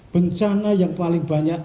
bencana yang paling banyak